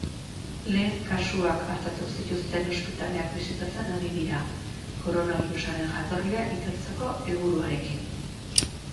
Lehen kasuak artatu zituzten ospitaleak bisitatzen ari dira, koronabirusaren jatorria ikertzeko helburuarekin.